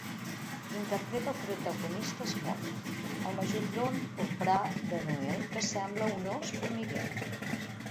Interpreta el protagonista, Smooth, el majordom porpra de Noel que sembla un ós formiguer.